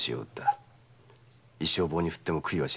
一生を棒に振っても悔いはしない。